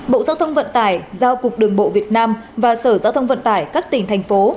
bộ giao thông vận tải giao cục đường bộ việt nam và sở giao thông vận tải các tỉnh thành phố